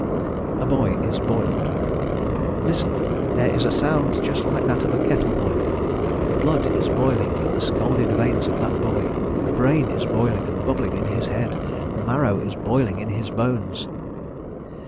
A boy is boiled: "Listen! there is a sound just like that of a kettle boiling.... The blood is boiling in the scalded veins of that boy. The brain is boiling and bubbling in his head. The marrow is boiling in his bones."